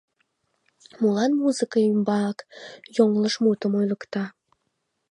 Молан музыка ӱмбак йоҥылыш мутым ойлыкта?